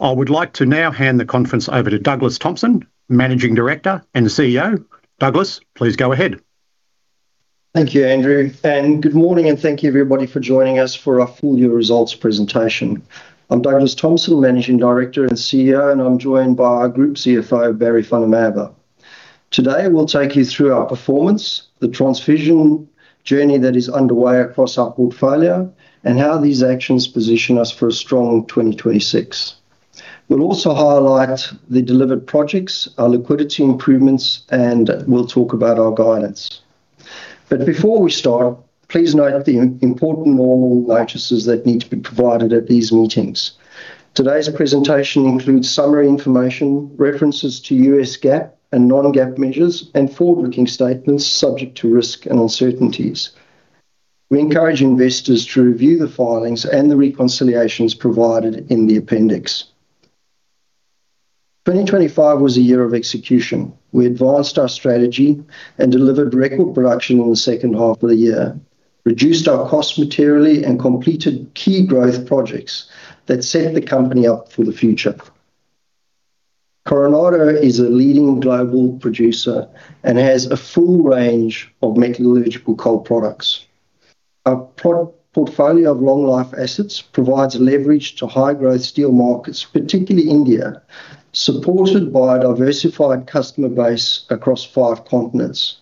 I would like to now hand the conference over to Douglas Thompson, Managing Director and CEO. Douglas, please go ahead. Thank you, Andrew. Good morning, and thank you everybody for joining us for our full year results presentation. I'm Douglas Thompson, Managing Director and CEO. I'm joined by our Group Chief Financial Officer, Barrie van der Merwe. Today, we'll take you through our performance, the transformation journey that is underway across our portfolio, and how these actions position us for a strong 2026. We'll also highlight the delivered projects, our liquidity improvements, and we'll talk about our guidance. Before we start, please note the important normal notices that need to be provided at these meetings. Today's presentation includes summary information, references to U.S. GAAP and non-GAAP measures, and forward-looking statements subject to risk and uncertainties. We encourage investors to review the filings and the reconciliations provided in the appendix. 2025 was a year of execution. We advanced our strategy and delivered record production in the second half of the year, reduced our costs materially, and completed key growth projects that set the company up for the future. Coronado is a leading global producer and has a full range of metallurgical coal products. Our portfolio of long life assets provides leverage to high growth steel markets, particularly India, supported by a diversified customer base across five continents.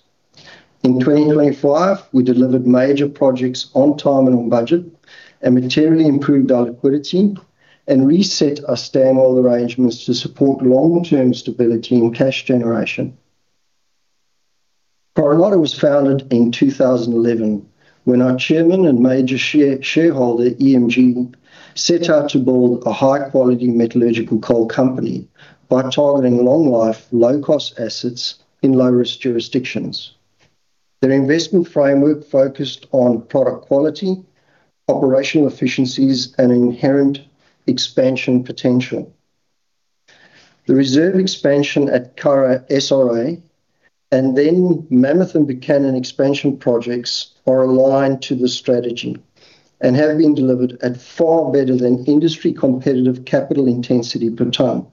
In 2025, we delivered major projects on time and on budget, and materially improved our liquidity, and reset our Stanwell arrangements to support long-term stability and cash generation. Coronado was founded in 2011, when our chairman and major shareholder, EMG, set out to build a high-quality metallurgical coal company by targeting long life, low-cost assets in low-risk jurisdictions. Their investment framework focused on product quality, operational efficiencies, and inherent expansion potential. The reserve expansion at Curragh, SRA, and then Mammoth and Buchanan expansion projects are aligned to the strategy and have been delivered at far better than industry competitive capital intensity per ton,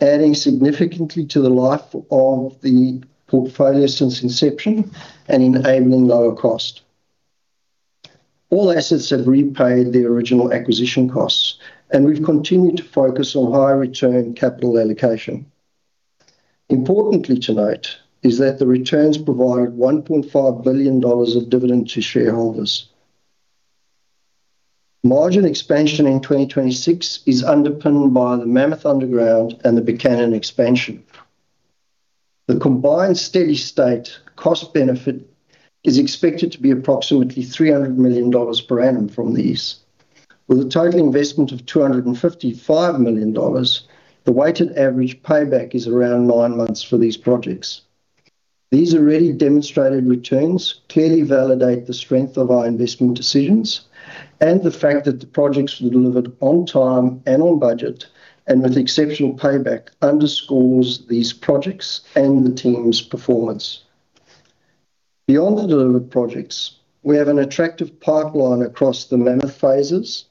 adding significantly to the life of the portfolio since inception and enabling lower cost. All assets have repaid their original acquisition costs, and we've continued to focus on higher return capital allocation. Importantly tonight, is that the returns provided $1.5 billion of dividend to shareholders. Margin expansion in 2026 is underpinned by the Mammoth Underground and the Buchanan expansion. The combined steady-state cost benefit is expected to be approximately $300 million per annum from these. With a total investment of $255 million, the weighted average payback is around nine months for these projects. These already demonstrated returns clearly validate the strength of our investment decisions, the fact that the projects were delivered on time and on budget, and with exceptional payback, underscores these projects and the team's performance. Beyond the delivered projects, we have an attractive pipeline across the Mammoth phases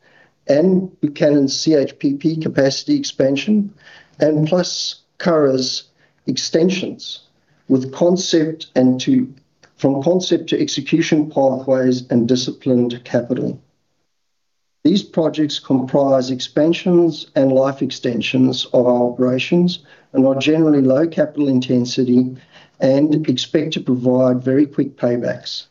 and Buchanan's CHPP capacity expansion, and plus Curragh's extensions, with concept from concept to execution pathways and disciplined capital. These projects comprise expansions and life extensions of our operations and are generally low capital intensity and expect to provide very quick paybacks.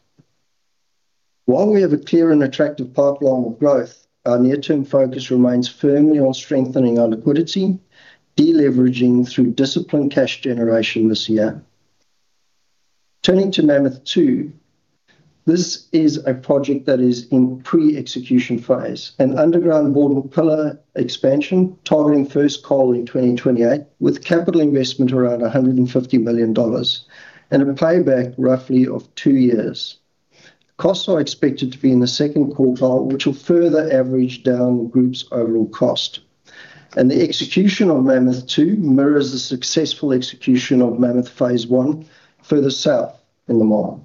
While we have a clear and attractive pipeline of growth, our near-term focus remains firmly on strengthening our liquidity, de-leveraging through disciplined cash generation this year. Turning to Mammoth 2, this is a project that is in pre-execution phase, an underground bord and pillar expansion, targeting first coal in 2028, with capital investment around $150 million and a payback roughly of 2 years. Costs are expected to be in the second quartile, which will further average down the group's overall cost. The execution of Mammoth 2 mirrors the successful execution of Mammoth Phase 1 further south in the mine.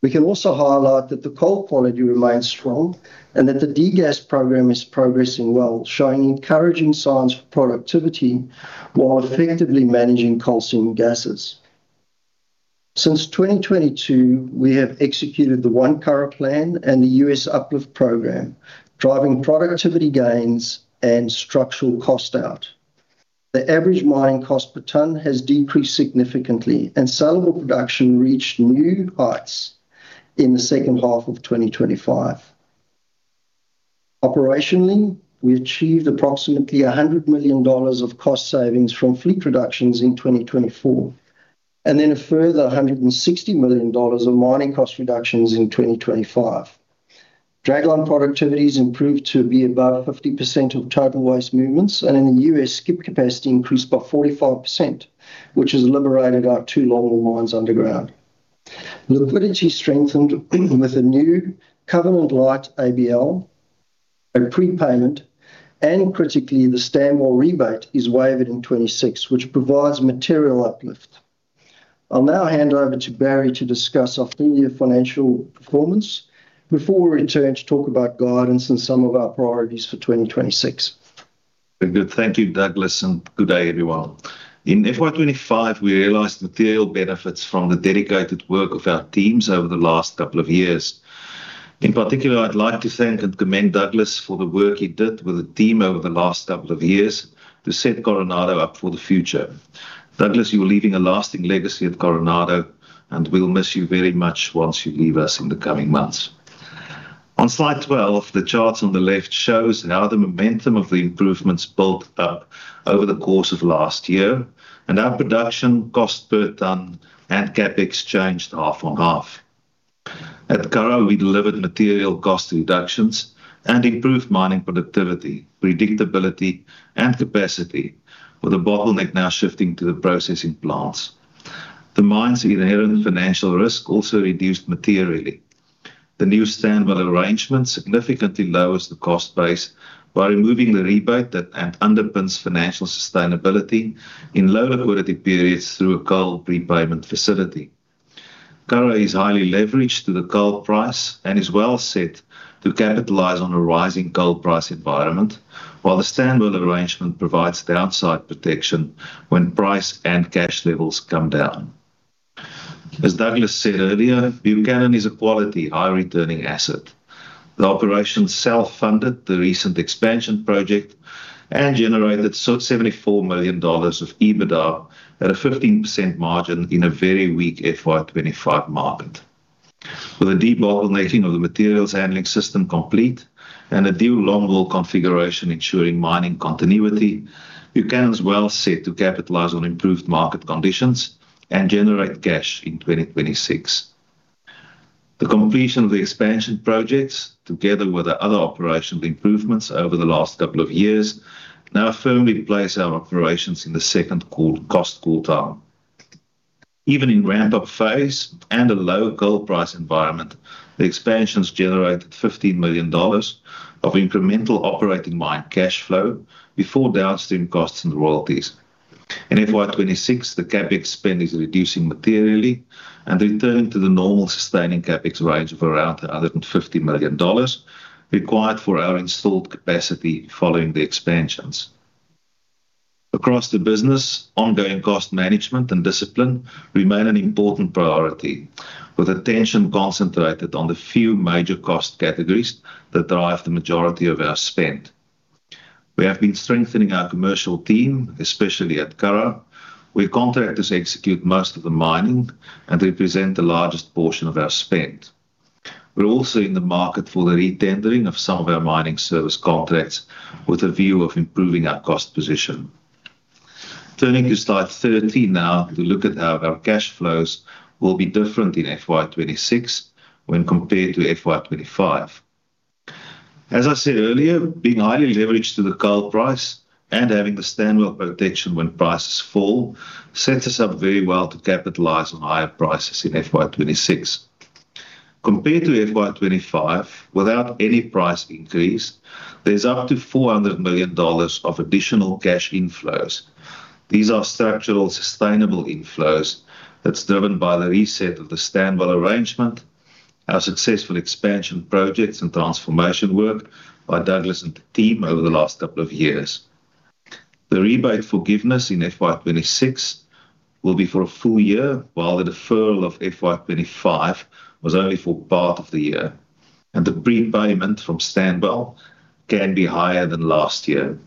We can also highlight that the coal quality remains strong and that the degas program is progressing well, showing encouraging signs for productivity while effectively managing coal seam gases. Since 2022, we have executed the One Curragh Plan and the US Uplift Program, driving productivity gains and structural cost out. The average mining cost per ton has decreased significantly. Saleable production reached new heights in the second half of 2025. Operationally, we achieved approximately $100 million of cost savings from fleet reductions in 2024. A further $160 million of mining cost reductions in 2025. Dragline productivity has improved to be above 50% of total waste movements. In the U.S., skip capacity increased by 45%, which has liberated our two longwall mines underground. Liquidity strengthened with a new covenant light ABL, a prepayment, and critically, the Stanwell rebate is waived in 2026, which provides material uplift. I'll now hand over to Barrie to discuss our full year financial performance before we return to talk about guidance and some of our priorities for 2026. Good. Thank you, Douglas, and good day, everyone. In FY 2025, we realized material benefits from the dedicated work of our teams over the last couple of years. In particular, I'd like to thank and commend Douglas for the work he did with the team over the last couple of years to set Coronado up for the future. Douglas, you are leaving a lasting legacy at Coronado, and we'll miss you very much once you leave us in the coming months. On slide 12, the charts on the left shows how the momentum of the improvements built up over the course of last year, and our production cost per tonne and CapEx changed half on half. At Curragh, we delivered material cost reductions and improved mining productivity, predictability, and capacity, with the bottleneck now shifting to the processing plants. The mine's inherent financial risk also reduced materially. The new Stanwell arrangement significantly lowers the cost base by removing the rebate that underpins financial sustainability in lower quality periods through a coal prepayment facility. Curragh is highly leveraged to the coal price and is well set to capitalize on a rising coal price environment, while the Stanwell arrangement provides downside protection when price and cash levels come down. As Douglas said earlier, Buchanan is a quality, high-returning asset. The operation self-funded the recent expansion project and generated $74 million of EBITDA at a 15% margin in a very weak FY 2025 market. With the debottlenecking of the materials handling system complete and a new longwall configuration ensuring mining continuity, Buchanan is well set to capitalize on improved market conditions and generate cash in 2026. The completion of the expansion projects, together with the other operational improvements over the last couple of years, now firmly place our operations in the second cost quartile. Even in ramp-up phase and a lower coal price environment, the expansions generated $15 million of incremental operating mine cash flow before downstream costs and royalties. In FY 2026, the CapEx spend is reducing materially and returning to the normal sustaining CapEx range of around $150 million required for our installed capacity following the expansions. Across the business, ongoing cost management and discipline remain an important priority, with attention concentrated on the few major cost categories that drive the majority of our spend. We have been strengthening our commercial team, especially at Curragh, where contractors execute most of the mining and represent the largest portion of our spend. We're also in the market for the re-tendering of some of our mining service contracts with a view of improving our cost position. Turning to slide 13 now, to look at how our cash flows will be different in FY 2026 when compared to FY 2025. As I said earlier, being highly leveraged to the coal price and having the Stanwell protection when prices fall, sets us up very well to capitalize on higher prices in FY 2026. Compared to FY 2025, without any price increase, there's up to $400 million of additional cash inflows. These are structural, sustainable inflows that's driven by the reset of the Stanwell arrangement, our successful expansion projects, and transformation work by Douglas and the team over the last couple of years. The rebate forgiveness in FY 2026 will be for a full year, while the deferral of FY 2025 was only for part of the year, and the prepayment from Stanwell can be higher than last year.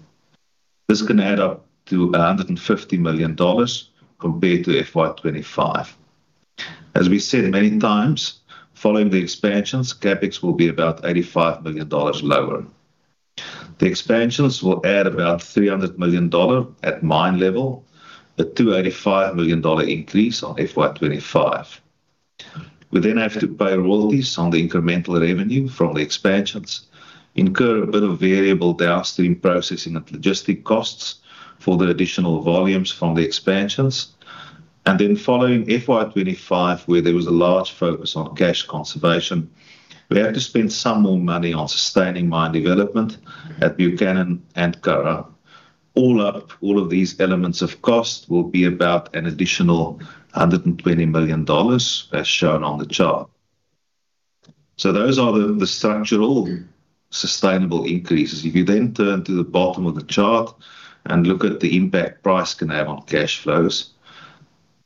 This can add up to $150 million compared to FY 2025. As we said many times, following the expansions, CapEx will be about $85 million lower. The expansions will add about $300 million at mine level, a $285 million increase on FY 2025. We have to pay royalties on the incremental revenue from the expansions, incur a bit of variable downstream processing and logistic costs for the additional volumes from the expansions, and then following FY 2025, where there was a large focus on cash conservation, we have to spend some more money on sustaining mine development at Buchanan and Curragh. All up, all of these elements of cost will be about an additional $120 million, as shown on the chart. Those are the, the structural, sustainable increases. If you then turn to the bottom of the chart and look at the impact price can have on cash flows,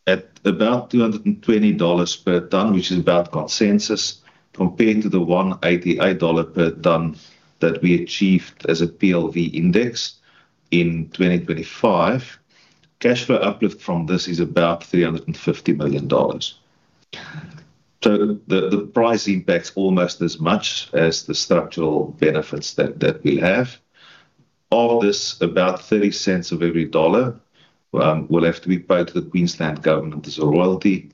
at about $220 per tonne, which is about consensus, compared to the $188 per tonne that we achieved as a PLV index in 2025, cash flow uplift from this is about $350 million. The, the price impacts almost as much as the structural benefits that, that we have. Of this, about 30 cents of every dollar will have to be paid to the Queensland Government as a royalty,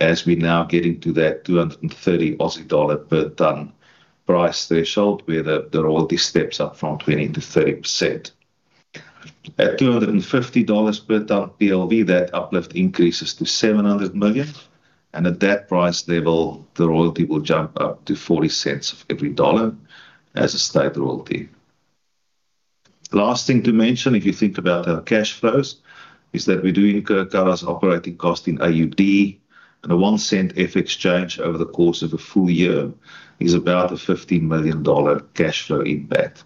as we now get into that 230 Aussie dollar per tonne price threshold, where the royalty steps up from 20%-30%. At 250 dollars per tonne PLV, that uplift increases to 700 million, and at that price level, the royalty will jump up to 40 cents of every dollar as a state royalty. Last thing to mention, if you think about our cash flows, is that we do incur Curragh's operating cost in AUD, and a 1 cent FX change over the course of a full year is about a 15 million dollar cash flow impact.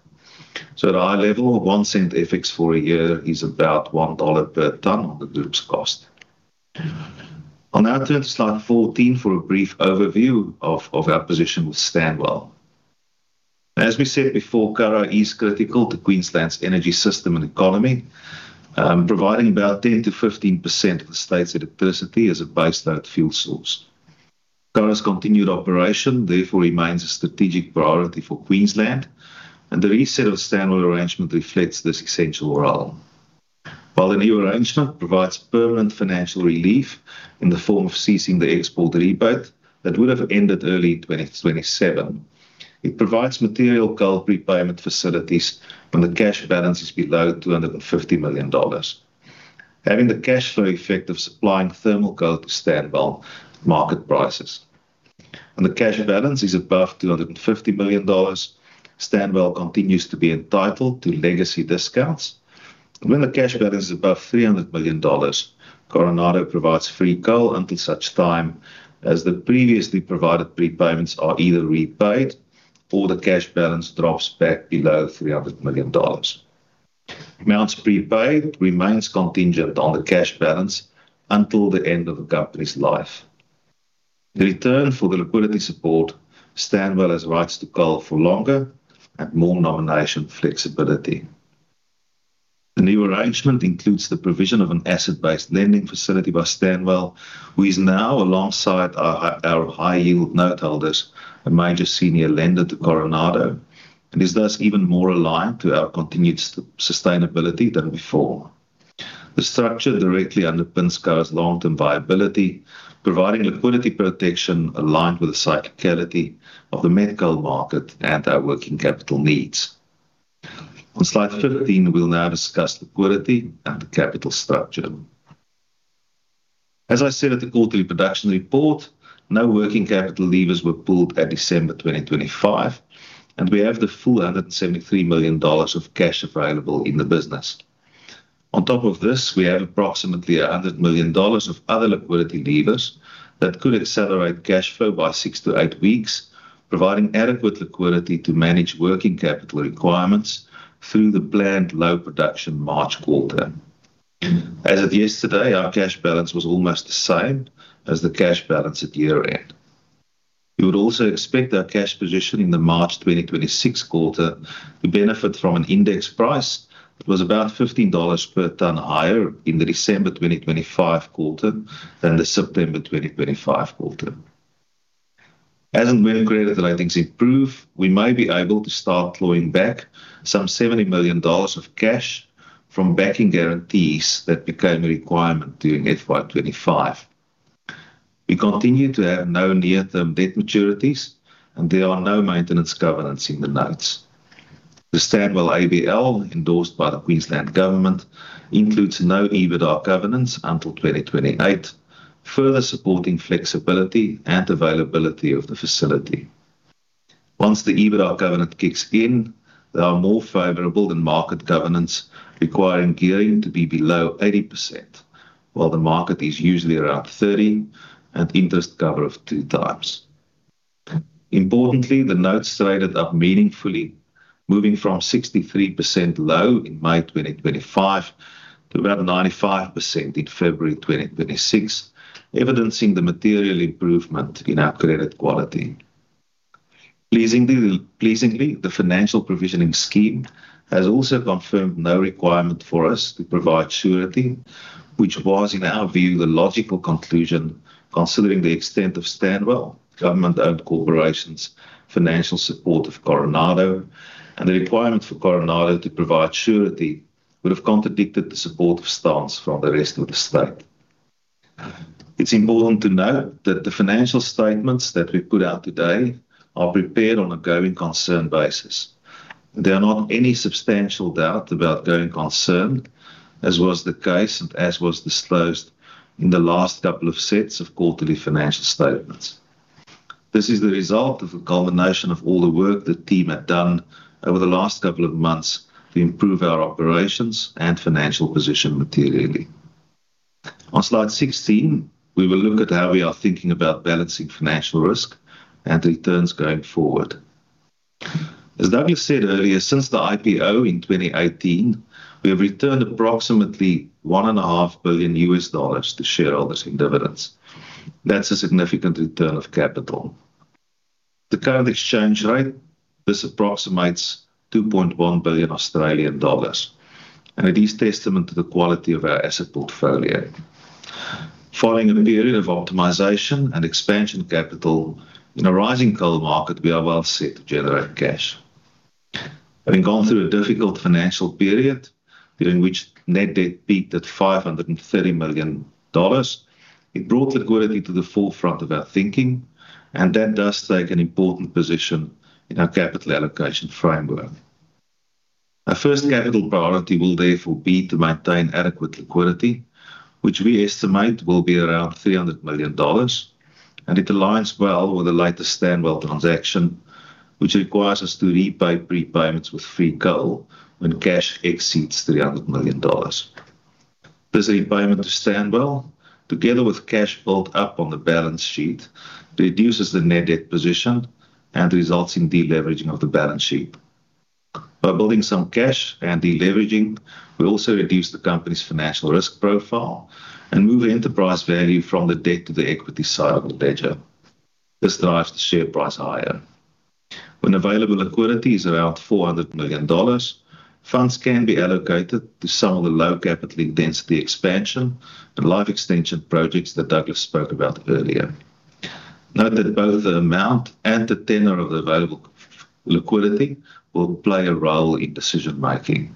At a high level, 1 cent FX for a year is about 1 dollar per ton on the group's cost. I'll now turn to slide 14 for a brief overview of our position with Stanwell. As we said before, Curragh is critical to Queensland's energy system and economy, providing about 10%-15% of the state's electricity as a baseload fuel source. Curragh's continued operation therefore remains a strategic priority for Queensland, the reset of Stanwell arrangement reflects this essential role. While the new arrangement provides permanent financial relief in the form of ceasing the export rebate that would have ended early in 2027, it provides material coal prepayment facilities when the cash balance is below $250 million. Having the cash flow effect of supplying thermal coal to Stanwell market prices. When the cash balance is above $250 million, Stanwell continues to be entitled to legacy discounts. When the cash balance is above $300 million, Coronado provides free coal until such time as the previously provided prepayments are either repaid or the cash balance drops back below $300 million. Amounts prepaid remains contingent on the cash balance until the end of the company's life. The return for the liquidity support, Stanwell has rights to call for longer and more nomination flexibility. The new arrangement includes the provision of an asset-based lending facility by Stanwell, who is now alongside our high-yield noteholders, a major senior lender to Coronado, and is thus even more aligned to our continued sustainability than before. The structure directly underpins Curragh's long-term viability, providing liquidity protection aligned with the cyclicality of the met coal market and our working capital needs. On slide 15, we'll now discuss liquidity and the capital structure. As I said at the quarterly production report, no working capital levers were pulled at December 2025, and we have the full $173 million of cash available in the business. On top of this, we have approximately $100 million of other liquidity levers that could accelerate cash flow by 6 to 8 weeks, providing adequate liquidity to manage working capital requirements through the planned low production March quarter. As of yesterday, our cash balance was almost the same as the cash balance at year-end. You would also expect our cash position in the March 2026 quarter to benefit from an index price that was about $15 per ton higher in the December 2025 quarter than the September 2025 quarter. As and when credit ratings improve, we may be able to start clawing back some $70 million of cash from backing guarantees that became a requirement during FY 2025. We continue to have no near-term debt maturities, there are no maintenance covenants in the notes. The Stanwell ABL, endorsed by the Queensland Government, includes no EBITDA covenants until 2028, further supporting flexibility and availability of the facility. Once the EBITDA covenant kicks in, they are more favorable than market covenants, requiring gearing to be below 80%, while the market is usually around 30 and interest cover of 2 times. Importantly, the notes traded up meaningfully, moving from 63% low in May 2025 to about 95% in February 2026, evidencing the material improvement in our credit quality. Pleasingly, pleasingly, the Financial Provisioning Scheme has also confirmed no requirement for us to provide surety, which was, in our view, the logical conclusion, considering the extent of Stanwell government-owned corporations' financial support of Coronado, and the requirement for Coronado to provide surety would have contradicted the supportive stance from the rest of the state. It's important to note that the financial statements that we put out today are prepared on a going concern basis. There are not any substantial doubt about going concern, as was the case and as was disclosed in the last couple of sets of quarterly financial statements. This is the result of a culmination of all the work the team have done over the last couple of months to improve our operations and financial position materially. On slide 16, we will look at how we are thinking about balancing financial risk and returns going forward. As Douglas said earlier, since the IPO in 2018, we have returned approximately $1.5 billion to shareholders in dividends. That's a significant return of capital. The current exchange rate, this approximates 2.1 billion Australian dollars, and it is testament to the quality of our asset portfolio. Following a period of optimization and expansion capital in a rising coal market, we are well set to generate cash. Having gone through a difficult financial period, during which net debt peaked at $530 million, it brought liquidity to the forefront of our thinking. That does take an important position in our capital allocation framework. Our first capital priority will therefore be to maintain adequate liquidity, which we estimate will be around $300 million.... It aligns well with the latest Stanwell transaction, which requires us to repay prepayments with free coal when cash exceeds $300 million. This repayment to Stanwell, together with cash built up on the balance sheet, reduces the net debt position and results in de-leveraging of the balance sheet. By building some cash and de-leveraging, we also reduce the company's financial risk profile and move the enterprise value from the debt to the equity side of the ledger. This drives the share price higher. When available liquidity is around $400 million, funds can be allocated to some of the low capital intensity expansion and life extension projects that Douglas spoke about earlier. Note that both the amount and the tenure of the available liquidity will play a role in decision making.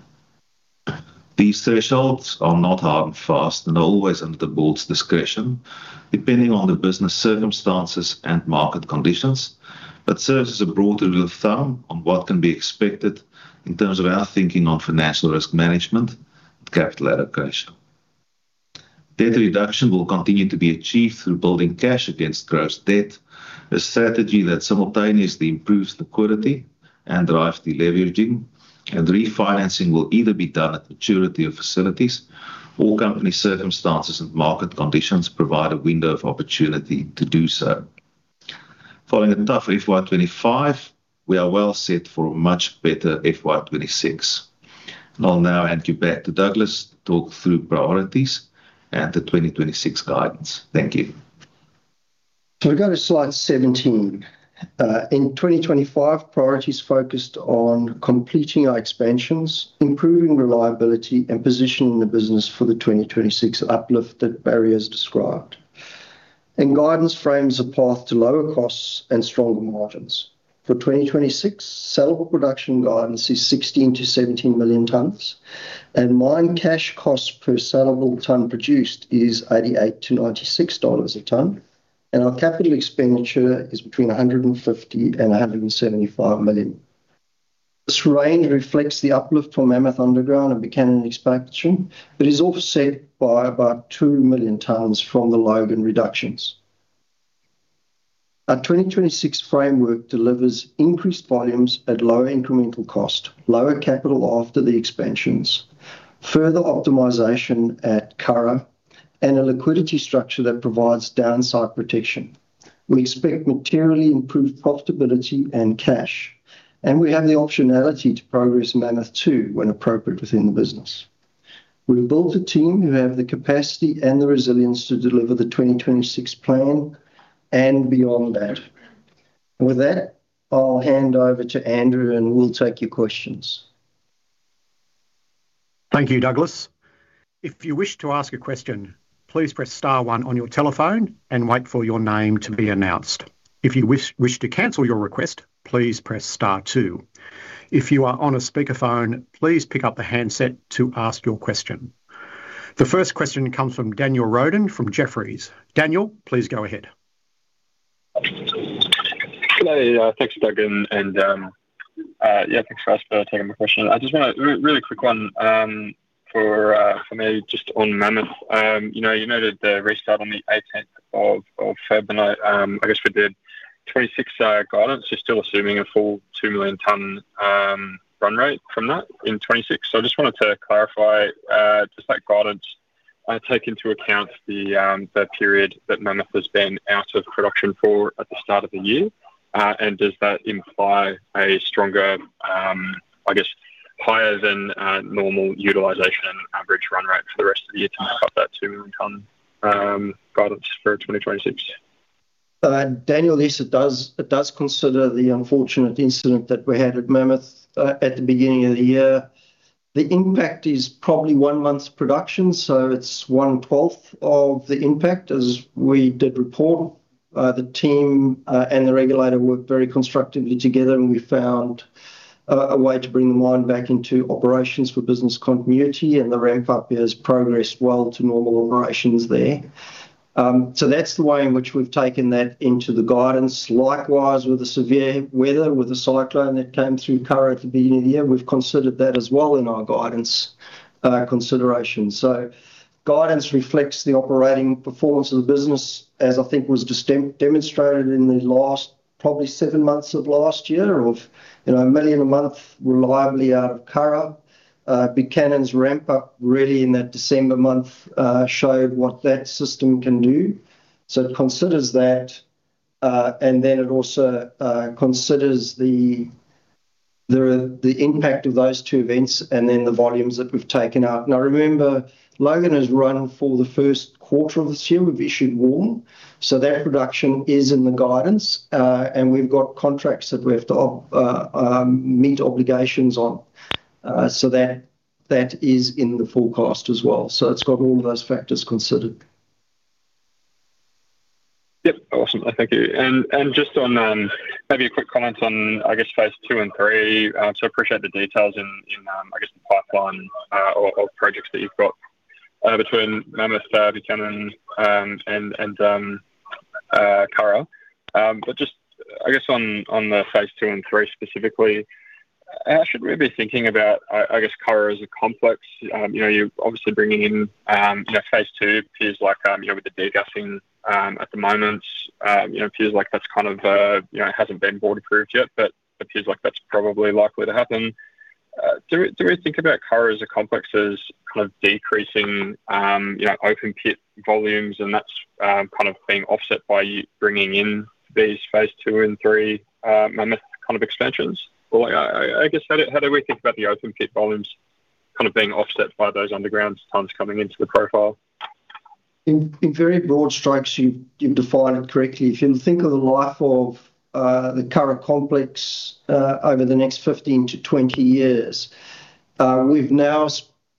These thresholds are not hard and fast and are always under the board's discretion, depending on the business circumstances and market conditions, but serves as a broad rule of thumb on what can be expected in terms of our thinking on financial risk management and capital allocation. Debt reduction will continue to be achieved through building cash against gross debt, a strategy that simultaneously improves liquidity and drives de-leveraging, and refinancing will either be done at maturity of facilities or company circumstances, and market conditions provide a window of opportunity to do so. Following a tough FY 2025, we are well set for a much better FY 2026. I'll now hand you back to Douglas to talk through priorities and the 2026 guidance. Thank you. We go to slide 17. In 2025, priorities focused on completing our expansions, improving reliability, and positioning the business for the 2026 uplift that Barrie has described. Guidance frames a path to lower costs and stronger margins. For 2026, saleable production guidance is 16 million-17 million tonnes, and mine cash costs per saleable tonne produced is $88-$96 a tonne, and our capital expenditure is between $150 million and $175 million. This range reflects the uplift from Mammoth Underground and Buchanan expansion, but is offset by about 2 million tonnes from the Logan reductions. Our 2026 framework delivers increased volumes at lower incremental cost, lower capital after the expansions, further optimization at Curragh, and a liquidity structure that provides downside protection. We expect materially improved profitability and cash, and we have the optionality to progress Mammoth 2 when appropriate within the business. We've built a team who have the capacity and the resilience to deliver the 2026 plan and beyond that. With that, I'll hand over to Andrew, and we'll take your questions. Thank you, Douglas. If you wish to ask a question, please press star one on your telephone and wait for your name to be announced. If you wish to cancel your request, please press star two. If you are on a speakerphone, please pick up the handset to ask your question. The first question comes from Daniel Roden, from Jefferies. Daniel, please go ahead. Good day. Thanks, Doug, and, yeah, thanks for asking, taking my question. I just want a really quick one for me, just on Mammoth. You know, you noted the restart on the 18th of, of February. I guess for the 2026 guidance, you're still assuming a full 2 million tonne run rate from that in 2026. I just wanted to clarify, does that guidance take into account the period that Mammoth has been out of production for at the start of the year? Does that imply a stronger, I guess, higher than normal utilization and average run rate for the rest of the year to make up that 2 million tonne guidance for 2026? Daniel, yes, it does, it does consider the unfortunate incident that we had at Mammoth at the beginning of the year. The impact is probably one month's production, so it's one twelfth of the impact, as we did report. The team and the regulator worked very constructively together, and we found a way to bring the mine back into operations for business continuity, and the ramp-up has progressed well to normal operations there. That's the way in which we've taken that into the guidance. Likewise, with the severe weather, with the cyclone that came through Curragh at the beginning of the year, we've considered that as well in our guidance consideration. Guidance reflects the operating performance of the business, as I think was just demonstrated in the last probably 7 months of last year, of, you know, 1 million a month reliably out of Curragh. Buchanan's ramp-up really in that December month showed what that system can do. It considers that, and then it also considers the impact of those two events and then the volumes that we've taken out. Now, remember, Logan has run for the 1st quarter of this year. We've issued WARN, so that production is in the guidance, and we've got contracts that we have to meet obligations on. That, that is in the forecast as well. It's got all of those factors considered. Yep. Awesome. Thank you. Just on, maybe a quick comment on, I guess, phase 2 and 3. So appreciate the details in, in, I guess, the pipeline, or, or projects that you've got, between Mammoth, Buchanan, and, and, Curragh. Just, I guess, on, on the phase 2 and 3 specifically? How should we be thinking about, I, I guess, Curragh as a complex? you know, you're obviously bringing in, you know, phase 2 appears like, you know, with the degassing, at the moment, you know, appears like that's kind of, you know, it hasn't been waterproof yet, but appears like that's probably likely to happen. Do, do we think about Curragh as a complex, as kind of decreasing, you know, open pit volumes, and that's kind of being offset by you bringing in these Phase Two and Three Mammoth kind of expansions? Or I, I, I guess, how do, how do we think about the open pit volumes kind of being offset by those underground tons coming into the profile? In, in very broad strokes, you've, you've defined it correctly. If you think of the life of the Curragh complex over the next 15-20 years, we've now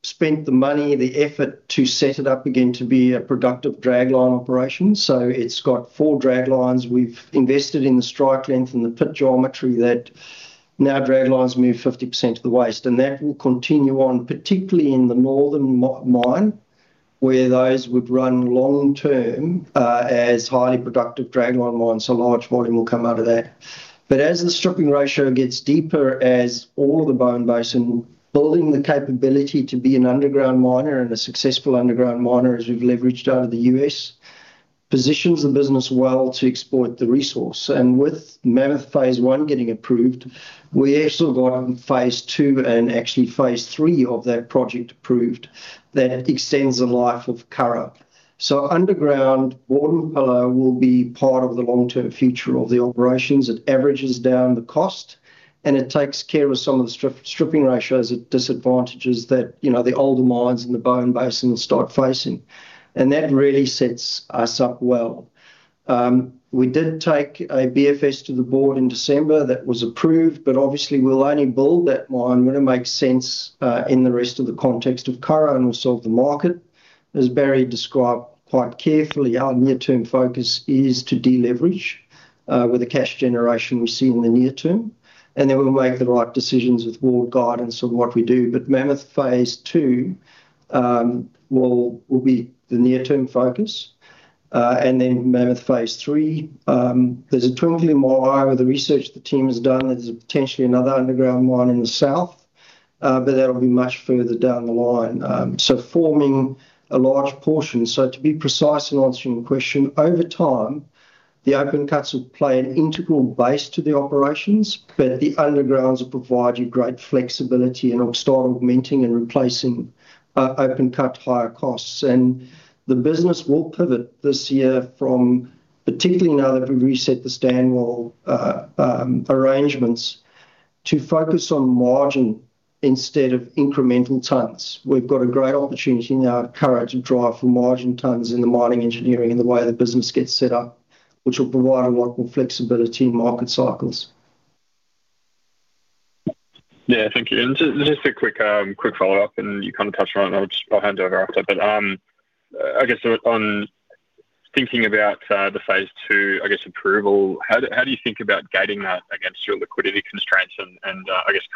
spent the money and the effort to set it up again to be a productive dragline operation. It's got four draglines. We've invested in the strike length and the pit geometry that now draglines move 50% of the waste, and that will continue on, particularly in the northern mine, where those would run long term as highly productive dragline mines, so a large volume will come out of that. As the stripping ratio gets deeper, as all the Bowen Basin, building the capability to be an underground miner and a successful underground miner, as we've leveraged out of the U.S., positions the business well to exploit the resource. With Mammoth Phase 1 getting approved, we actually got Phase Two and actually Phase Three of that project approved. That extends the life of Curragh. Underground, Watermark will be part of the long-term future of the operations. It averages down the cost, and it takes care of some of the stripping ratios it disadvantages that, you know, the older mines in the Bowen Basin start facing. That really sets us up well. We did take a BFS to the board in December. That was approved, but obviously, we'll only build that mine when it makes sense in the rest of the context of Curragh and also of the market. As Barrie described quite carefully, our near-term focus is to de-leverage with the cash generation we see in the near term, and then we'll make the right decisions with board guidance on what we do. Mammoth Phase Two will, will be the near-term focus, and then Mammoth Phase Three. There's a twinkle in my eye with the research the team has done. There's potentially another underground mine in the south, but that'll be much further down the line. Forming a large portion. To be precise in answering your question, over time, the open cuts will play an integral base to the operations, but the undergrounds will provide you great flexibility and will start augmenting and replacing open cut, higher costs. The business will pivot this year from, particularly now that we've reset the Stanwell arrangements, to focus on margin instead of incremental tonnes. We've got a great opportunity now at Curragh to drive for margin tonnes in the mining engineering and the way the business gets set up, which will provide a lot more flexibility in market cycles. Yeah, thank you. Just a quick, quick follow-up, and you kind of touched on it, and I'll just, I'll hand it over after. But on thinking about the Phase Two approval, how do you think about gating that against your liquidity constraints and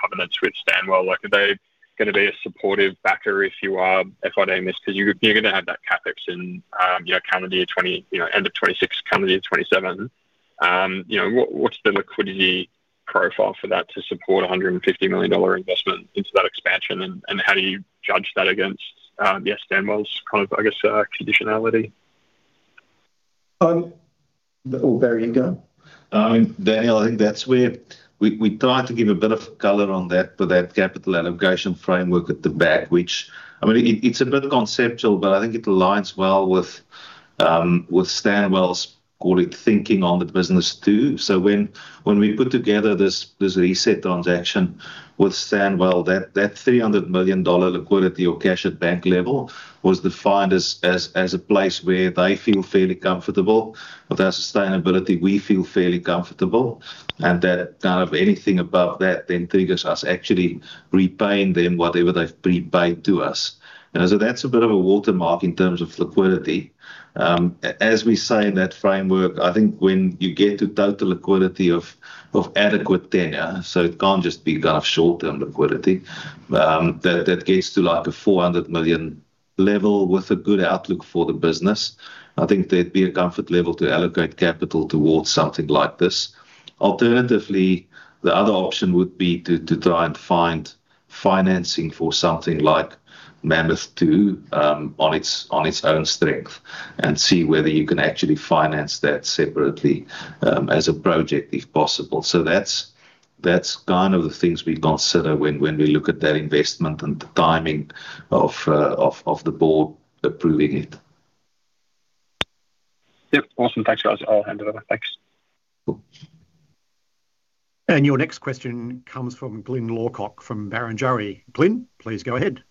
covenants with Stanwell? Like, are they gonna be a supportive backer if you are, if I miss... 'Cause you're, you're gonna have that CapEx in, calendar year 20, end of 2026, calendar year 2027. What's the liquidity profile for that to support a $150 million investment into that expansion, and how do you judge that against the Stanwell's kind of conditionality? Well, Barrie, you go. Daniel, I think that's where we, we tried to give a bit of color on that with that capital allocation framework at the back, which, I mean, it, it's a bit conceptual, but I think it aligns well with Stanwell's call it thinking on the business too. When, when we put together this, this reset transaction with Stanwell, that, that $300 million liquidity or cash at bank level was defined as, as, as a place where they feel fairly comfortable. With our sustainability, we feel fairly comfortable, and that kind of anything above that then triggers us actually repaying them whatever they've prepaid to us. That's a bit of a watermark in terms of liquidity. As we say in that framework, I think when you get to total liquidity of, of adequate tenure, so it can't just be kind of short-term liquidity, that gets to like a $400 million level with a good outlook for the business. I think there'd be a comfort level to allocate capital towards something like this. Alternatively, the other option would be to, to try and find financing for something like Mammoth 2 on its, on its own strength and see whether you can actually finance that separately, as a project, if possible. That's, that's kind of the things we consider when we look at that investment and the timing of the board approving it. Yep. Awesome. Thanks, guys. I'll hand it over. Thanks. Cool. Your next question comes from Glyn Lawcock, from Barrenjoey. Glyn, please go ahead.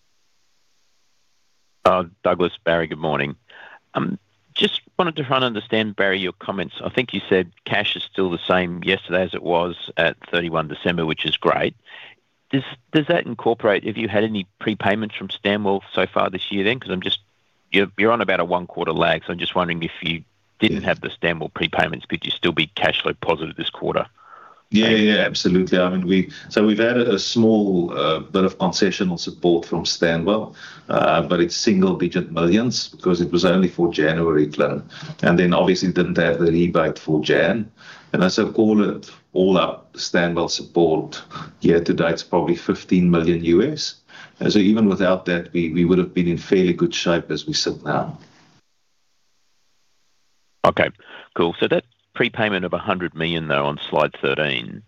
Douglas, Barrie, good morning. Just wanted to try and understand, Barrie, your comments. I think you said cash is still the same yesterday as it was at 31 December, which is great. Does that incorporate, have you had any prepayments from Stanwell so far this year then? Because you're on about a one-quarter lag, so I'm just wondering if you didn't have the Stanwell prepayments, could you still be cash flow positive this quarter? Yeah, yeah, absolutely. I mean, so we've had a small bit of concessional support from Stanwell, but it's single-digit millions because it was only for January, Glyn, then obviously didn't have the rebate for Jan. As I call it, all up, Stanwell support year to date is probably $15 million. Even without that, we, we would've been in fairly good shape as we sit now. Okay, cool. That prepayment of $100 million, though, on slide 13,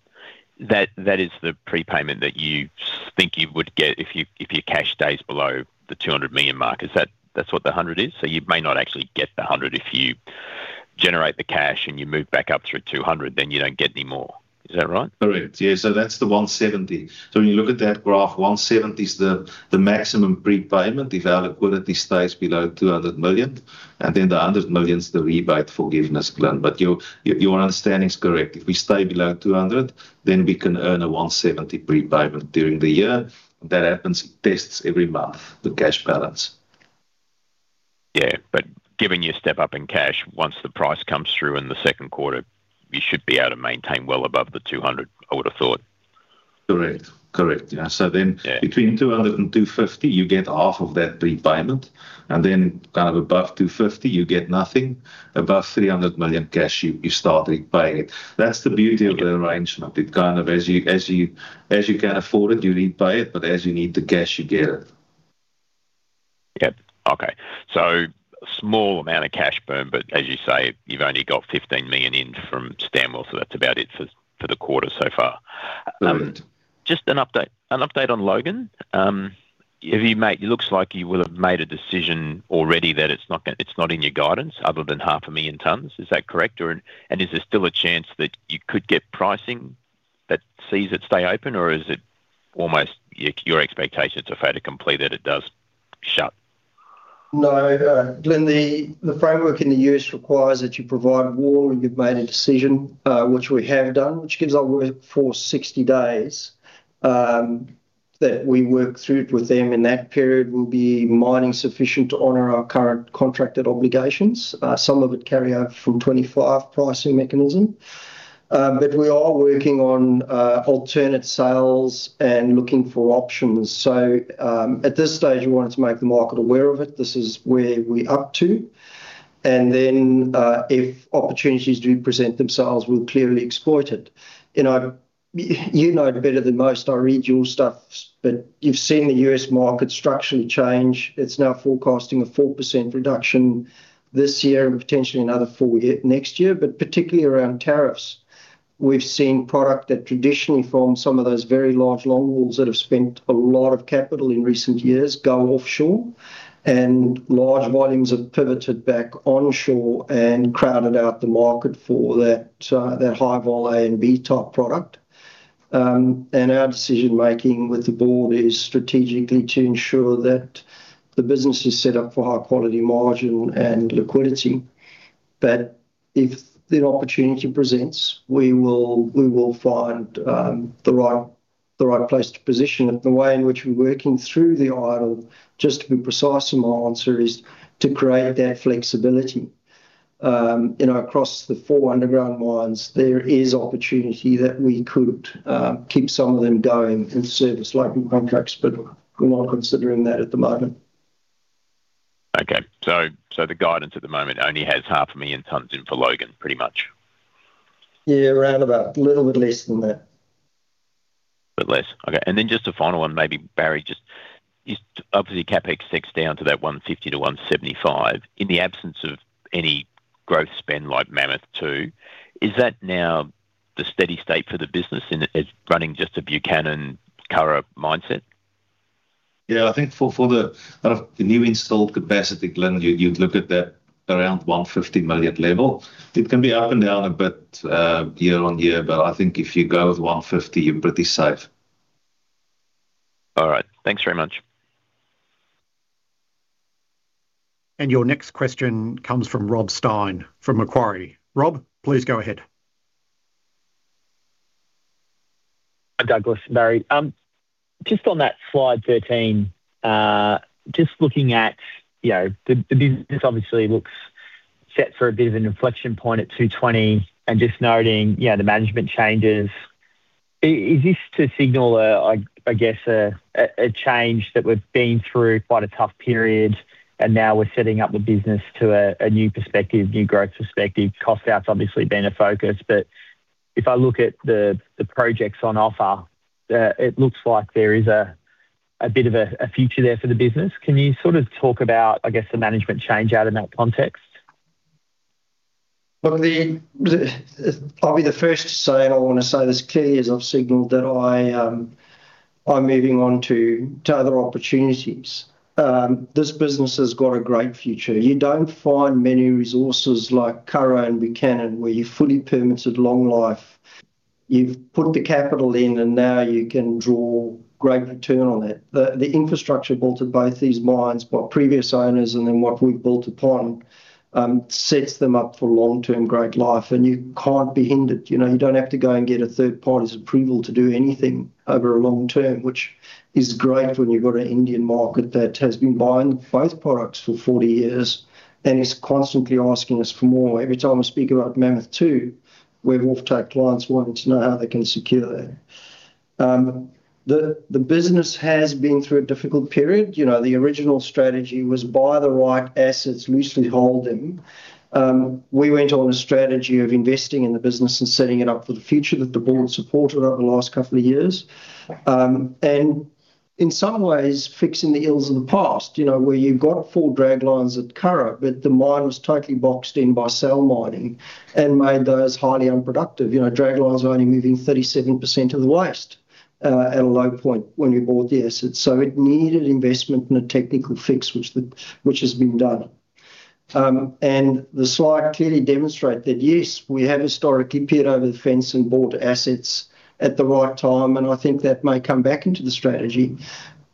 that, that is the prepayment that you think you would get if you, if your cash stays below the $200 million mark. Is that, that's what the $100 million is? You may not actually get the $100 million if you generate the cash and you move back up through $200 million, then you don't get any more. Is that right? Correct. Yeah, that's the $170. When you look at that graph, $170 is the maximum prepayment if our liquidity stays below $200 million, and then the $100 million is the rebate forgiveness, Glyn. Your understanding is correct. If we stay below $200, then we can earn a $170 prepayment during the year. That happens, tests every month, the cash balance. Yeah, given your step up in cash, once the price comes through in the second quarter, you should be able to maintain well above the $200, I would have thought. Correct. Correct, yeah. Yeah. Between $200 and $250, you get half of that prepayment, and then kind of above $250, you get nothing. Above $300 million cash, you start repaying it. That's the beauty of the arrangement. It kind of as you can afford it, you repay it, but as you need the cash, you get it. Yeah. Okay. A small amount of cash burn, but as you say, you've only got 15 million in from Stanwell, so that's about it for, for the quarter so far. Mm. Just an update, an update on Logan. It looks like you will have made a decision already that it's not it's not in your guidance other than 500,000 tons. Is that correct, or, and, and is there still a chance that you could get pricing that sees it stay open, or is it almost your expectations are fair to complete that it does shut? No, Glyn, the framework in the U.S. requires that you provide WARN when you've made a decision, which we have done, which gives our work for 60 days, that we work through with them. In that period, we'll be mining sufficient to honor our current contracted obligations. Some of it carry over from 25 pricing mechanism. We are working on alternate sales and looking for options. At this stage, we wanted to make the market aware of it. This is where we're up to, and then, if opportunities do present themselves, we'll clearly exploit it. You know, you know it better than most, I read your stuff, but you've seen the U.S. market structurally change. It's now forecasting a 4% reduction this year and potentially another 4% next year, but particularly around tariffs. We've seen product that traditionally formed some of those very large long walls that have spent a lot of capital in recent years go offshore. Large volumes have pivoted back onshore and crowded out the market for that, that high vol A and B type product. Our decision-making with the board is strategically to ensure that the business is set up for high quality margin and liquidity. If the opportunity presents, we will, we will find the right, the right place to position it. The way in which we're working through the idle, just to be precise in my answer, is to create that flexibility. You know, across the four underground mines, there is opportunity that we could keep some of them going and service local contracts, we're not considering that at the moment. Okay. The guidance at the moment only has 500,000 tons in for Logan, pretty much? Yeah, roundabout. A little bit less than that. Bit less. Okay, then just a final one, maybe, Barrie, just, obviously, CapEx sticks down to that $150-$175. In the absence of any growth spend like Mammoth 2, is that now the steady state for the business in, as running just a Buchanan, Curragh mindset? Yeah, I think for, for the, the new installed capacity, Glyn, you'd, you'd look at that around 150 million level. It can be up and down a bit, year-on-year, but I think if you go with 150, you're pretty safe. All right. Thanks very much. Your next question comes from Rob Stein, from Macquarie. Rob, please go ahead. Hi, Douglas and Barrie. Just on that slide 13, just looking at, you know, the business obviously looks set for a bit of an inflection point at 2020 and just noting, yeah, the management changes. Is this to signal, I guess, a change that we've been through quite a tough period, and now we're setting up the business to a new perspective, new growth perspective? Cost out's obviously been a focus, but if I look at the projects on offer, it looks like there is a bit of a future there for the business. Can you sort of talk about, I guess, the management change out in that context? Look, the, the, I'll be the first to say, and I want to say this clearly, as I've signaled, that I, I'm moving on to, to other opportunities. This business has got a great future. You don't find many resources like Curragh and Buchanan, where you're fully permitted long life. You've put the capital in, and now you can draw great return on it. The, the infrastructure built at both these mines by previous owners and then what we've built upon, sets them up for long-term great life, and you can't be hindered. You know, you don't have to go and get a third party's approval to do anything over a long term, which is great when you've got an Indian market that has been buying both products for 40 years and is constantly asking us for more. Every time I speak about Mammoth 2, we have off-take clients wanting to know how they can secure that. The business has been through a difficult period. You know, the original strategy was buy the right assets, loosely hold them. We went on a strategy of investing in the business and setting it up for the future that the board supported over the last couple of years. In some ways, fixing the ills of the past. You know, where you've got 4 draglines at Curragh, but the mine was totally boxed in by cell mining and made those highly unproductive. You know, draglines are only moving 37% of the waste, at a low point when we bought the assets. It needed investment and a technical fix, which the, which has been done. The slide clearly demonstrate that, yes, we have historically peered over the fence and bought assets at the right time, and I think that may come back into the strategy.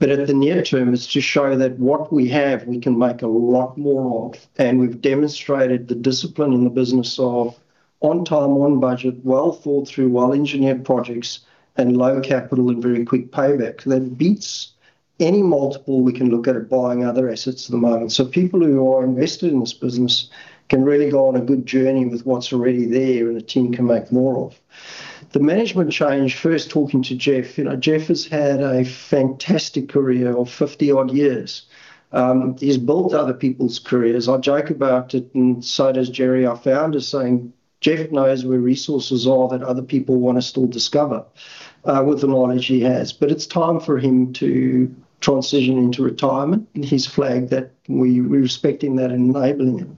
At the near term, it's to show that what we have, we can make a lot more of, and we've demonstrated the discipline in the business of on time, on budget, well thought through, well-engineered projects and low capital and very quick payback. That beats any multiple we can look at, at buying other assets at the moment. People who are invested in this business can really go on a good journey with what's already there and the team can make more of. The management change, first, talking to Jeff. You know, Jeff has had a fantastic career of 50-odd years. He's built other people's careers. I joke about it, so does Jeff, our founder, saying, "Jeff knows where resources are that other people want to still discover, with the knowledge he has." It's time for him to transition into retirement, and he's flagged that. We're respecting that and enabling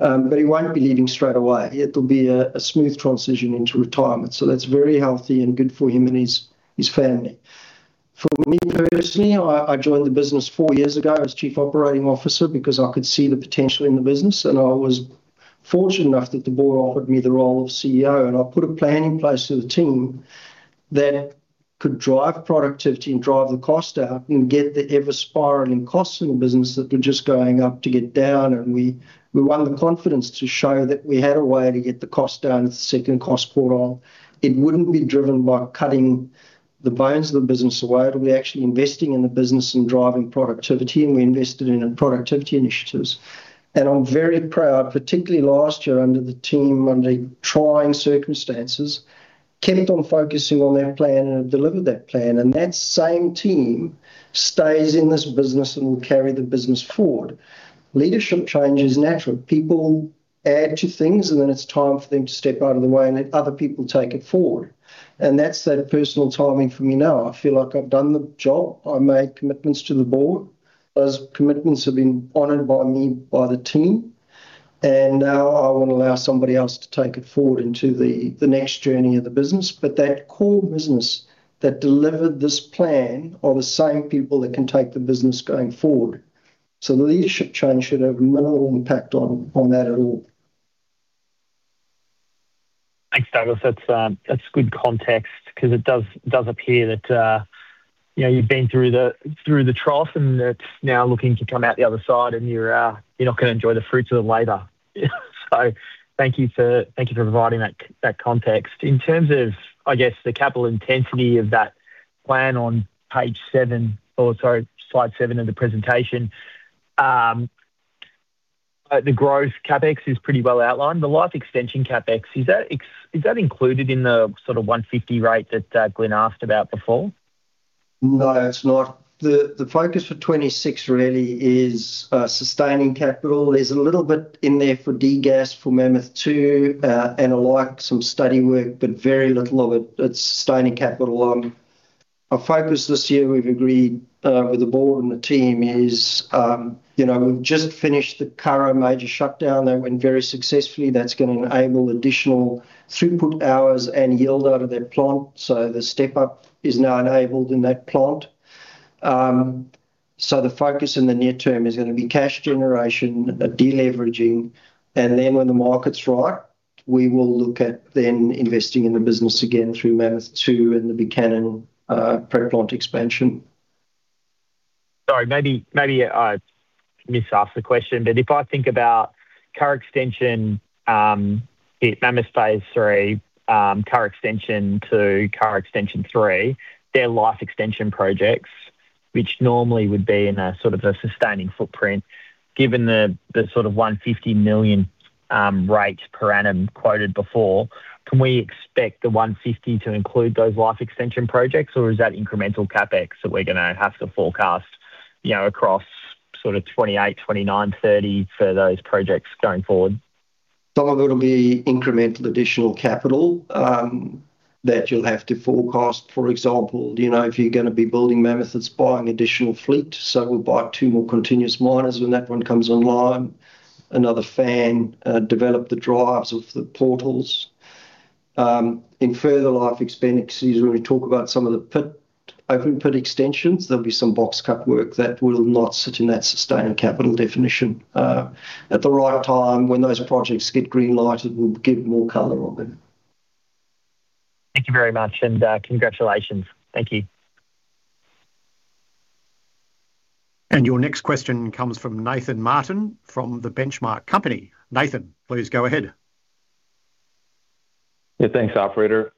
him. He won't be leaving straight away. It'll be a smooth transition into retirement, so that's very healthy and good for him and his, his family. For me personally, I joined the business four years ago as Chief Operating Officer because I could see the potential in the business, and I was fortunate enough that the board offered me the role of CEO. I put a plan in place with the team that could drive productivity and drive the cost down and get the ever-spiraling costs in the business that were just going up to get down, and we, we won the confidence to show that we had a way to get the cost down at the second cost quartile. It wouldn't be driven by cutting the bones of the business away. It'll be actually investing in the business and driving productivity, and we invested in productivity initiatives. I'm very proud, particularly last year under the team, under trying circumstances, kept on focusing on that plan and have delivered that plan, and that same team stays in this business and will carry the business forward. Leadership change is natural. People add to things, and then it's time for them to step out of the way and let other people take it forward, and that's that personal timing for me now. I feel like I've done the job. I made commitments to the board. Those commitments have been honored by me, by the team, and now I want to allow somebody else to take it forward into the next journey of the business. That core business that delivered this plan are the same people that can take the business going forward. The leadership change should have minimal impact on that at all. Thanks, Douglas. That's good context 'cause it does, it does appear that, you know, you've been through the, through the trough, and it's now looking to come out the other side, and you're, you're not gonna enjoy the fruits of the labor. Thank you for, thank you for providing that, that context. In terms of, I guess, the capital intensity of that plan on page seven... Oh, sorry, slide seven of the presentation. The growth CapEx is pretty well outlined. The life extension CapEx, is that included in the sort of 150 rate that, Glyn asked about before? No, it's not. The focus for 2026 really is sustaining capital. There's a little bit in there for degas, for Mammoth 2, and the like, some study work, but very little of it. It's sustaining capital. Our focus this year, we've agreed, with the board and the team, is, you know, we've just finished the Curragh major shutdown. That went very successfully. That's gonna enable additional throughput hours and yield out of that plant, so the step-up is now enabled in that plant. The focus in the near term is gonna be cash generation, a deleveraging, and then when the market's right, we will look at then investing in the business again through Mammoth 2 and the Buchanan plant expansion. Sorry, maybe, maybe I misasked the question, if I think about Curragh extension, Mammoth Phase Three, Curragh extension to Curragh extension 3, they're life extension projects, which normally would be in a sort of a sustaining footprint. Given the, the sort of $150 million rate per annum quoted before, can we expect the $150 to include those life extension projects, or is that incremental CapEx that we're gonna have to forecast, you know, across sort of 2028, 2029, 2030 for those projects going forward? Some of it'll be incremental additional capital, that you'll have to forecast. For example, you know, if you're gonna be building Mammoths, that's buying additional fleet. We'll buy two more continuous miners when that one comes online, another fan, develop the drives of the portals. In further life expenditures, when we talk about some of the pit, open pit extensions, there'll be some box cut work that will not sit in that sustained capital definition. At the right time, when those projects get green-lighted, we'll give more color on them. Thank you very much, and, congratulations. Thank you. Your next question comes from Nathan Martin, from The Benchmark Company. Nathan, please go ahead. Yeah, thanks, operator.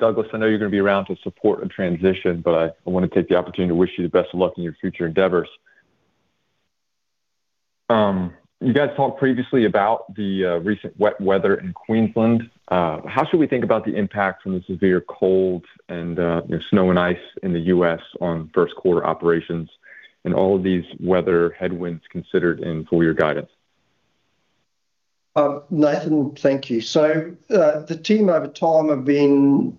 Douglas, I know you're gonna be around to support a transition, but I, I wanna take the opportunity to wish you the best of luck in your future endeavors. You guys talked previously about the recent wet weather in Queensland. How should we think about the impact from the severe cold and the snow and ice in the U.S. on first quarter operations, and all of these weather headwinds considered in full year guidance? Nathan, thank you. The team over time have been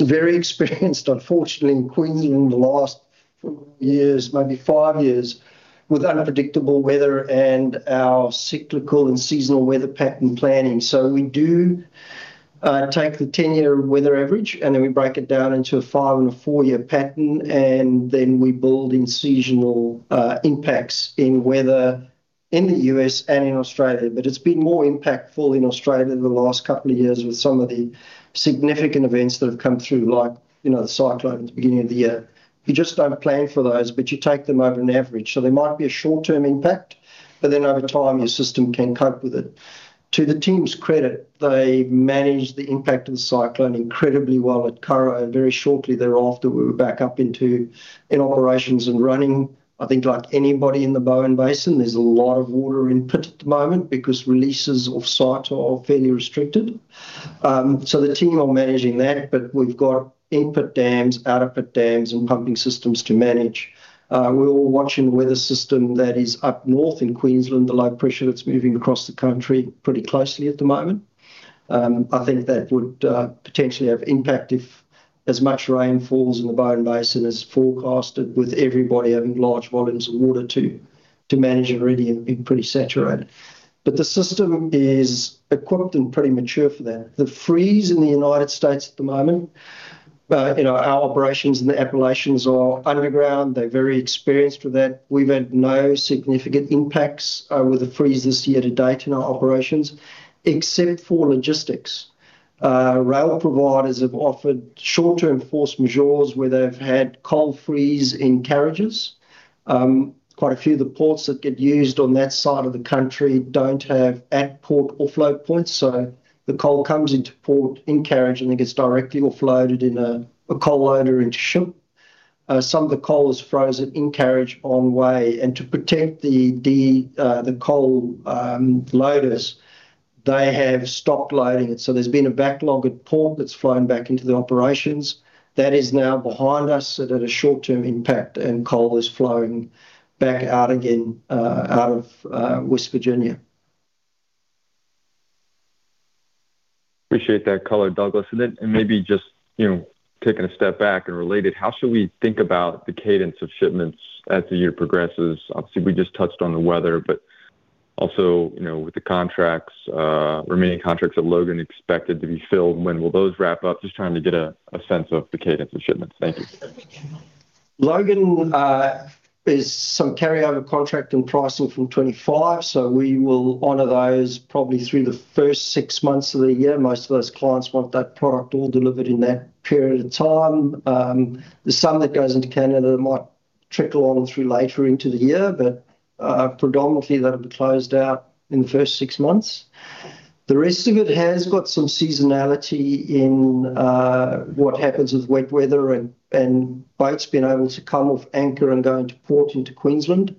very experienced, unfortunately, in Queensland, the last four years, maybe five years, with unpredictable weather and our cyclical and seasonal weather pattern planning. We do take the 10-year weather average, and then we break it down into a five-and-a-four-year pattern, and then we build in seasonal impacts in weather in the U.S. and in Australia. It's been more impactful in Australia in the last couple of years with some of the significant events that have come through, like, you know, the cyclone at the beginning of the year. You just don't plan for those, but you take them over an average. There might be a short-term impact, but then over time, your system can cope with it. To the team's credit, they managed the impact of the cyclone incredibly well at Curragh, and very shortly thereafter, we were back up into, in operations and running. I think like anybody in the Bowen Basin, there's a lot of water in pit at the moment because releases of site are fairly restricted. The team are managing that, but we've got input dams, output dams, and pumping systems to manage. We're all watching the weather system that is up north in Queensland, the low pressure that's moving across the country pretty closely at the moment. I think that would potentially have impact if as much rain falls in the Bowen Basin as forecasted, with everybody having large volumes of water to, to manage and already have been pretty saturated. The system is equipped and pretty mature for that. The freeze in the U.S. at the moment, you know, our operations in the Appalachians are underground. They're very experienced with that. We've had no significant impacts with the freeze this year to date in our operations, except for logistics. Rail providers have offered short-term force majeure where they've had coal freeze in carriages. Quite a few of the ports that get used on that side of the country don't have at-port offload points, so the coal comes into port in carriage and then gets directly offloaded in a coal loader into ship. Some of the coal is frozen in carriage on way, and to protect the coal loaders, they have stopped loading it. There's been a backlog at port that's flowing back into the operations. That is now behind us, so that a short-term impact, and coal is flowing back out again, out of West Virginia. Appreciate that color, Douglas. Then, and maybe just, you know, taking a step back and relate it, how should we think about the cadence of shipments as the year progresses? Obviously, we just touched on the weather, but also, you know, with the contracts, remaining contracts at Logan expected to be filled, when will those wrap up? Just trying to get a, a sense of the cadence of shipments. Thank you. Logan is some carryover contract and pricing from 25. We will honor those probably through the first 6 months of the year. Most of those clients want that product all delivered in that period of time. There's some that goes into Canada that might trickle on through later into the year, but predominantly, that'll be closed out in the first 6 months. The rest of it has got some seasonality in what happens with wet weather and boats being able to come off anchor and go into port into Queensland.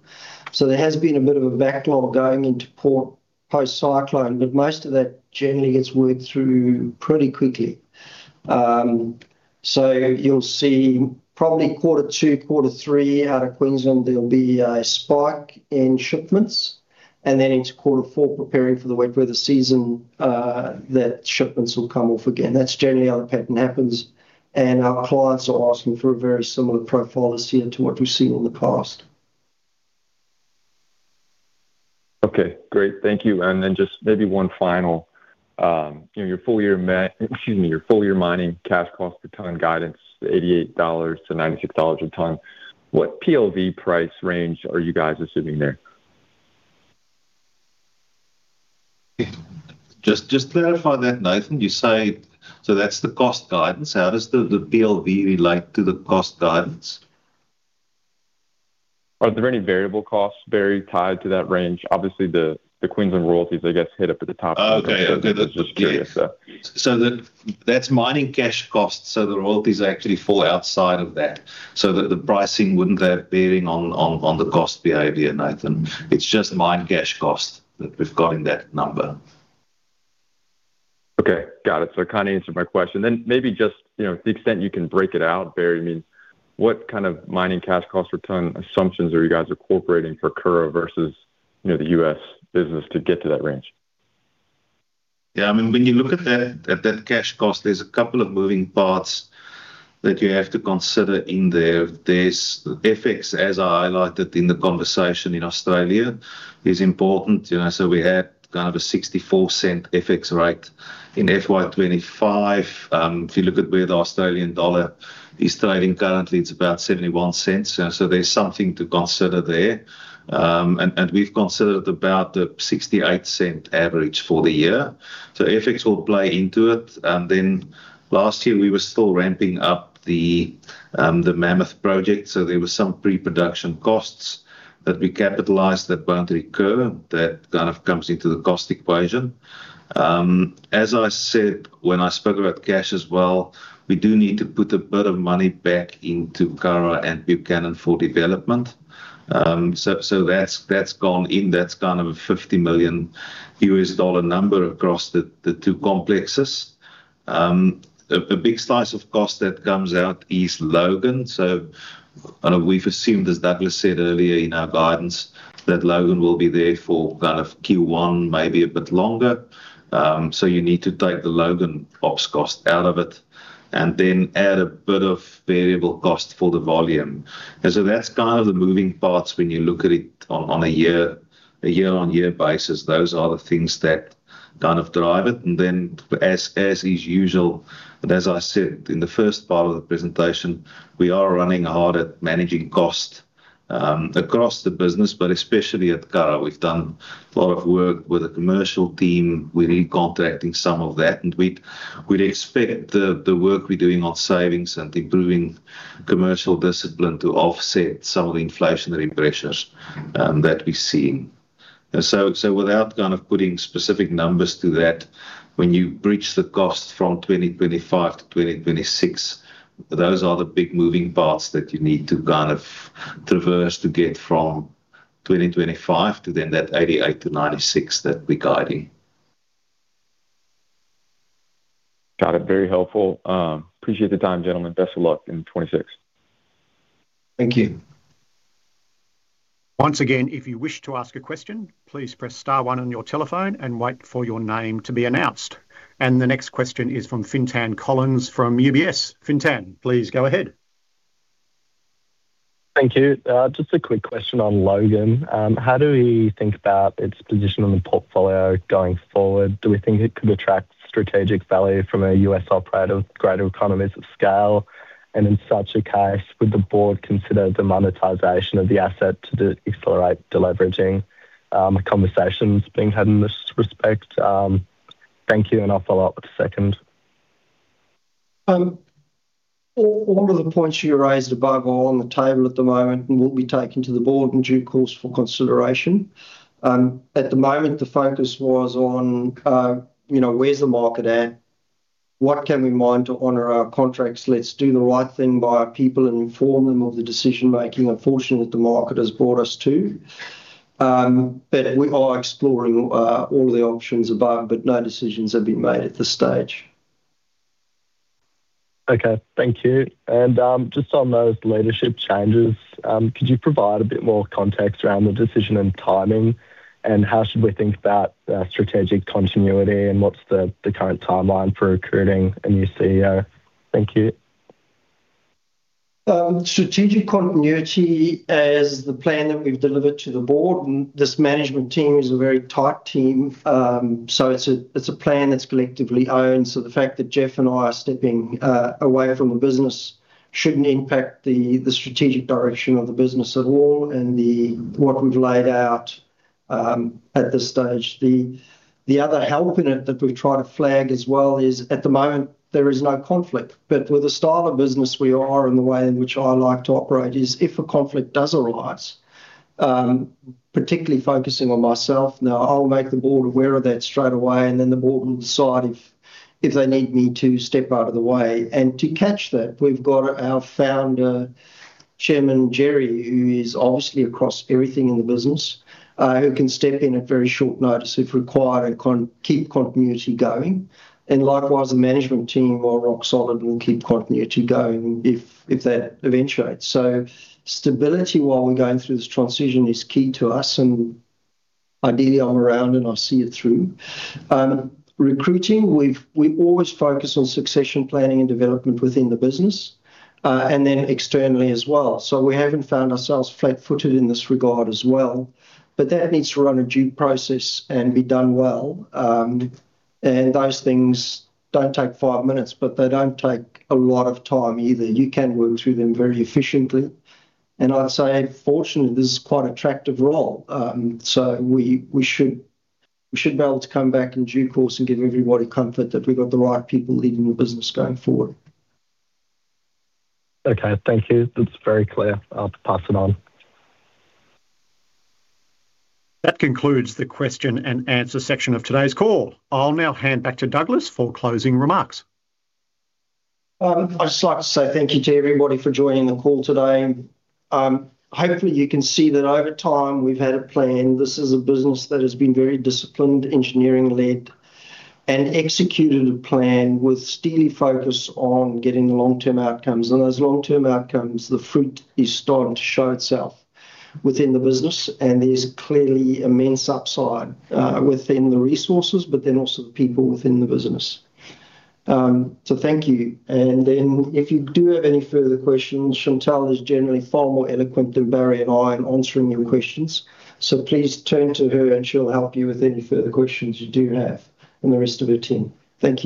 There has been a bit of a backlog going into port post-cyclone, but most of that generally gets worked through pretty quickly. You'll see probably quarter two, quarter three out of Queensland, there'll be a spike in shipments, and then into quarter four, preparing for the wet weather season, that shipments will come off again. That's generally how the pattern happens. Our clients are asking for a very similar profile this year to what we've seen in the past. Okay, great. Thank you. Just maybe one final, you know, your full year, excuse me, your full year mining cash cost per tonne guidance, the $88-$96 a tonne, what PLV price range are you guys assuming there? Just, just to clarify that, Nathan, you say... So that's the cost guidance. How does the, the PLV relate to the cost guidance? Are there any variable costs, Barrie, tied to that range? Obviously, the, the Queensland royalties, I guess, hit up at the top. Okay. Okay. Just curious, so. That's mining cash cost, so the royalties actually fall outside of that. The pricing wouldn't have a bearing on the cost behavior, Nathan. It's just mine cash cost that we've got in that number. Okay, got it. It kind of answered my question. Maybe just, you know, to the extent you can break it out, Barrie, I mean, what kind of mining cash cost per tonne assumptions are you guys incorporating for Curragh versus, you know, the U.S. business to get to that range? Yeah, I mean, when you look at that, at that cash cost, there's a couple of moving parts that you have to consider in there. There's FX, as I highlighted in the conversation in Australia, is important. You know, we had kind of a 64 cent FX rate in FY 2025. If you look at where the Australian dollar is trading currently, it's about 71 cents, there's something to consider there. And we've considered about a 68 cent average for the year, FX will play into it. Then last year, we were still ramping up the Mammoth Project, there was some pre-production costs that we capitalized that won't recur. That kind of comes into the cost equation. As I said when I spoke about cash as well, we do need to put a bit of money back into Curragh and Buchanan for development. That's gone in. That's kind of a $50 million number across the two complexes. A big slice of cost that comes out is Logan. We've assumed, as Douglas said earlier in our guidance, that Logan will be there for kind of Q1, maybe a bit longer. You need to take the Logan ops cost out of it and then add a bit of variable cost for the volume. That's kind of the moving parts when you look at it on a year, a year-on-year basis. Those are the things that kind of drive it. As, as is usual, as I said in the first part of the presentation, we are running hard at managing cost across the business, but especially at Curragh. We've done a lot of work with the commercial team. We're recontracting some of that, and we'd, we'd expect the, the work we're doing on savings and improving commercial discipline to offset some of the inflationary pressures that we're seeing. Without kind of putting specific numbers to that, when you bridge the cost from 2025 to 2026, those are the big moving parts that you need to kind of traverse to get from 2025 to then that $88-$96 that we're guiding. Got it. Very helpful. appreciate the time, gentlemen. Best of luck in 2026. Thank you. Once again, if you wish to ask a question, please press star one on your telephone and wait for your name to be announced. The next question is from Fintan Collins from UBS. Fintan, please go ahead. Thank you. Just a quick question on Logan. How do we think about its position on the portfolio going forward? Do we think it could attract strategic value from a U.S. operator with greater economies of scale? In such a case, would the board consider the monetization of the asset to de-accelerate deleveraging, conversations being had in this respect? Thank you, and I'll follow up with the second. All, all of the points you raised above are on the table at the moment and will be taken to the board in due course for consideration. At the moment, the focus was on, you know, where's the market at? What can we mine to honor our contracts? Let's do the right thing by our people and inform them of the decision-making and fortunate that the market has brought us to. We are exploring, all the options above, but no decisions have been made at this stage. Okay. Thank you. Just on those leadership changes, could you provide a bit more context around the decision and timing? How should we think about strategic continuity, and what's the current timeline for recruiting a new CEO? Thank you. Strategic continuity is the plan that we've delivered to the board, and this management team is a very tight team. It's a, it's a plan that's collectively owned. The fact that Jeff and I are stepping away from the business shouldn't impact the, the strategic direction of the business at all and the, what we've laid out at this stage. The, the other help in it that we've tried to flag as well is, at the moment, there is no conflict. With the style of business we are and the way in which I like to operate is, if a conflict does arise, particularly focusing on myself, now I'll make the board aware of that straight away, and then the board will decide if, if they need me to step out of the way. To catch that, we've got our founder, Chairman Gerry, who is obviously across everything in the business, who can step in at very short notice if required and keep continuity going. Likewise, the management team are rock solid and will keep continuity going if, if that eventuates. Stability while we're going through this transition is key to us, and ideally, I'm around, and I'll see it through. Recruiting, we've-- we always focus on succession planning and development within the business, and then externally as well. We haven't found ourselves flat-footed in this regard as well, but that needs to run a due process and be done well. Those things don't take 5 minutes, but they don't take a lot of time either. You can work through them very efficiently. I'd say, fortunately, this is quite attractive role, so we, we should, we should be able to come back in due course and give everybody comfort that we've got the right people leading the business going forward. Okay. Thank you. That's very clear. I'll pass it on. That concludes the question and answer section of today's call. I'll now hand back to Douglas for closing remarks. I'd just like to say thank you to everybody for joining the call today. Hopefully, you can see that over time, we've had a plan. This is a business that has been very disciplined, engineering-led, and executed a plan with steely focus on getting long-term outcomes. Those long-term outcomes, the fruit is starting to show itself within the business, and there's clearly immense upside within the resources, but then also the people within the business. Thank you. Then, if you do have any further questions, Chantelle is generally far more eloquent than Barrie and I in answering your questions. Please turn to her, and she'll help you with any further questions you do have, and the rest of her team. Thank you.